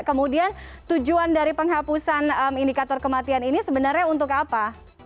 kemudian tujuan dari penghapusan indikator kematian ini sebenarnya untuk apa